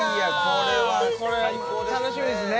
これは楽しみですね